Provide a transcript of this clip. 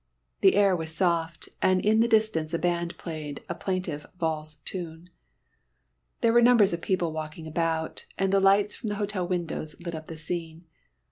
The air was soft, and in the distance a band played a plaintive valse tune. There were numbers of people walking about, and the lights from the hotel windows lit up the scene.